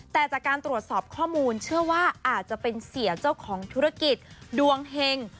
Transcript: แต่จากการตรวจสอบข้อมูลเชื่อว่าอาจจะเป็นเสียเจ้าของธุรกิจดวงเฮง